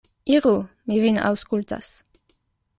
Iru; mi vin aŭskultas.